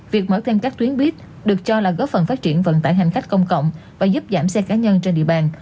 việc mở thêm các tuyến buýt được cho là góp phần phát triển vận tải hành khách công cộng và giúp giảm xe cá nhân trên địa bàn